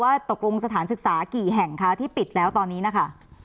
ตกลงสถานศึกษากี่แห่งคะที่ปิดแล้วตอนนี้นะคะ